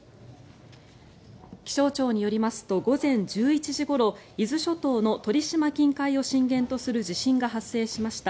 気象庁によりますと午前１１時ごろ伊豆諸島の鳥島近海を震源とする地震が発生しました。